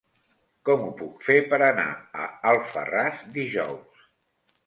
Com ho puc fer per anar a Alfarràs dijous?